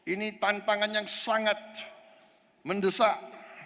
ini tantangan yang sangat mendesak